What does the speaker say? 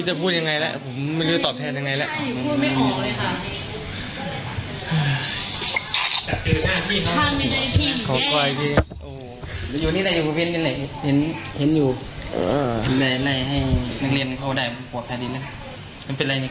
ก้อพ่วงต้นก็กระดูกอย่างนี้